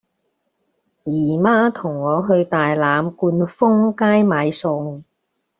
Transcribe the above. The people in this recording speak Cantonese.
姨媽同我去大欖冠峰街買餸